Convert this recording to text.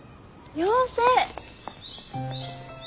妖精！